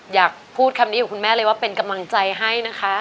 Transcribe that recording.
อยากพูดคำนี้กับคุณแม่เลยว่าเป็นกำลังใจให้นะคะ